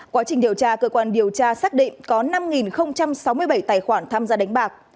quá trình điều tra cơ quan điều tra xác định có năm sáu mươi bảy tài khoản tham gia đánh bạc